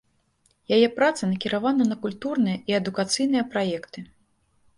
Яе праца накіравана на культурныя і адукацыйныя праекты.